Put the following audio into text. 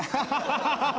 ハハハハ。